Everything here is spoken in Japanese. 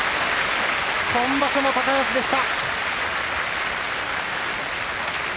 今場所も高安でした。